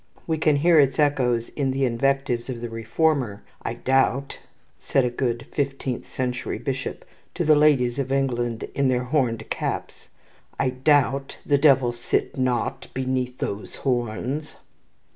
We can hear its echoes in the invectives of the reformer, "I doubt," said a good fifteenth century bishop to the ladies of England in their horned caps, "I doubt the Devil sit not between those horns."